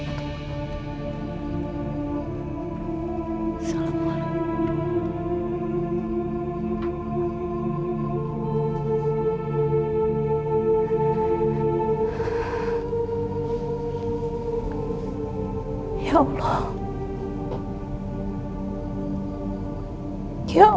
assalamualaikum warahmatullahi wabarakatuh